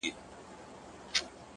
• قاتلان به گرځي سرې سترگي په ښار كي ,